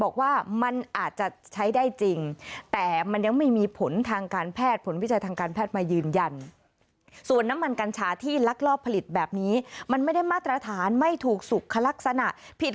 กันชาติที่ลักลอบผลิตแบบนี้มันไม่ได้มาตรฐานไม่ถูกสุขลักษณะผิด